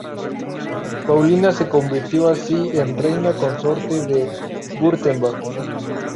Paulina se convirtió así en Reina Consorte de Wurtemberg.